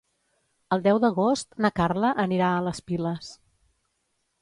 El deu d'agost na Carla anirà a les Piles.